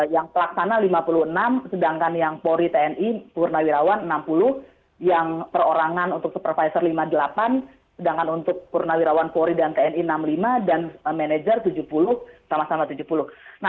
yang pelaksana lima puluh enam sedangkan yang polri tni purnawirawan enam puluh yang perorangan untuk supervisor lima puluh delapan sedangkan untuk purnawirawan polri dan tni enam puluh lima dan manajer tujuh puluh sama sama tujuh puluh